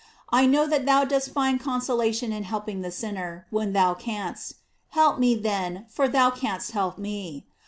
I know that thou dost find consolation in helping the sinner when thou canst; help me then, for thou canst help me.